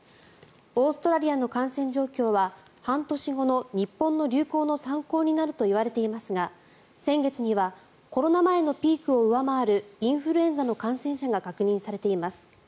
オーストラリアの感染状況は半年後の日本の流行の参考になるといわれていますが先月にはコロナ前のピークを上回るインフルエンザの感染者が確認されています。